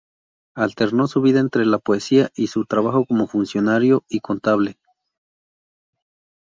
Alternó su vida entre la poesía y su trabajo como funcionario y contable.